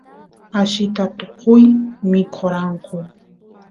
allita tukuy mikoranku